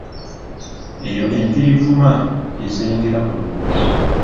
Eyo empirivuma gye zengera mu bibira.